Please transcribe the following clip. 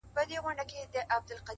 مهرباني د خاموش نفوذ ځواک لري؛